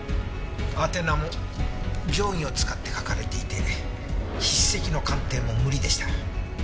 宛名も定規を使って書かれていて筆跡の鑑定も無理でした。